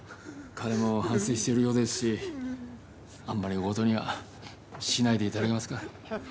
かれも反せいしてるようですしあんまりおおごとにはしないでいただけますか？